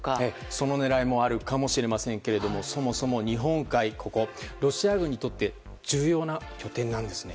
その狙いもあるかもしれませんけれどもそもそも日本海はロシア軍にとって重要な拠点なんですね。